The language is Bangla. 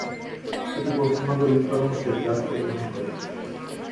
এটি পশ্চিমবঙ্গের উত্তর অংশের যাত্রী পরিবহন করে।